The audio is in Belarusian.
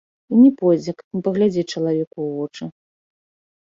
І не пройдзе, каб не паглядзець чалавеку ў вочы.